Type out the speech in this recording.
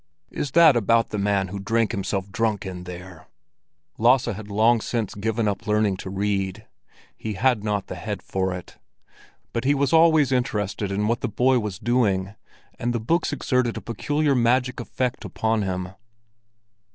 "Is that about the man who drank himself drunk in there?" Lasse had long since given up learning to read; he had not the head for it. But he was always interested in what the boy was doing, and the books exerted a peculiar magic effect upon him.